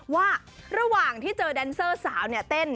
ว่าระหว่างที่เจอแดนเซอร์สาวเนี่ยเต้น